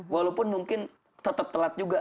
walaupun mungkin tetap telat juga